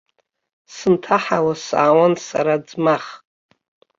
Сынҭаҳауа саауан сара аӡмах.